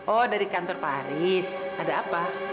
oh dari kantor pak haris ada apa